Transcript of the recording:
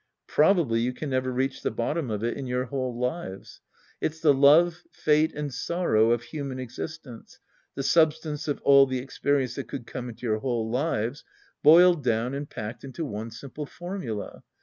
Probably you can never reach the bottom of it in your whole lives. It's the love, fate and sorrow of human existence, the substance of all the experience that could come into your whole lives, boiled down and packed into one simple formula.